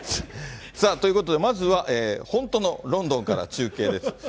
さあ、ということで、まずは本当のロンドンから中継です。